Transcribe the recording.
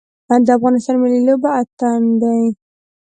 د افغانستان ملي لوبه اتن دی